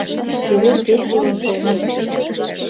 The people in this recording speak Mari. Чевер кече ончылнет